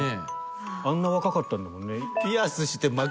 あんな若かったんだもんね。